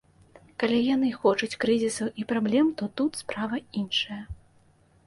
Калі яны хочуць крызісаў і праблем, то тут справа іншая.